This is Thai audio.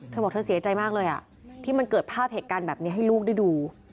เธอบอกเธอเสียใจมากเลยที่มันเกิดภาพเหตุการณ์แบบนี้ให้ลูกได้ดู